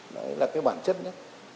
đấy là cái bản chất nhất